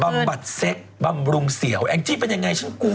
บำบัดเซ็กบำรุงเสี่ยวแองจี้เป็นยังไงฉันกลัว